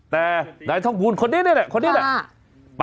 แต่นายทองภูลคนนี้นี่แหละคนนี้แหละ